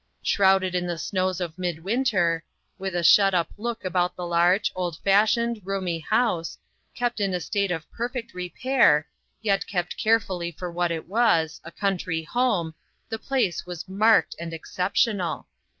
Shrouded 126 , INTERRUPTED. in the snows of midwinter, with a shut up look about the large, old fashioned, roomy house, kept in a state of perfect repair, yet kept carefully for what it was, a country home, the place was marked and exceptional.